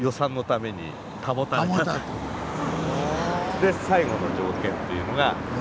で最後の条件っていうのが。